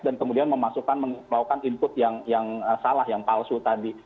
dan kemudian memasukkan melakukan input yang salah yang palsu tadi